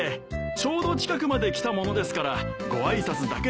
ちょうど近くまで来たものですからご挨拶だけでもと。